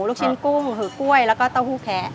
ลูกชิ้นกุ้งหือกล้วยแล้วก็เต้าหู้แคะ